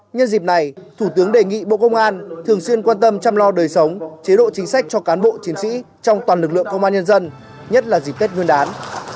nhân dịp này thủ tướng đề nghị bộ công an thường xuyên quan tâm chăm lo đời sống chế độ chính sách cho cán bộ chiến sĩ trong toàn lực lượng công an nhân dân nhất là dịp tết nguyên đán